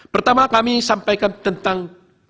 pertama kami sampaikan tentang